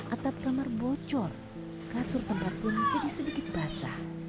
atap kamar bocor kasur tempat pun jadi sedikit basah